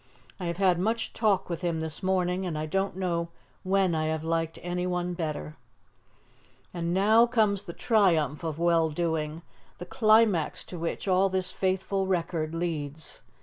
I have had much talk with him this morning, and I don't know when I have liked anyone better. "And now comes the triumph of well doing the climax to which all this faithful record leads.